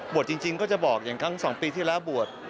จริงก็จะบอกอย่างครั้ง๒ปีที่แล้วบวช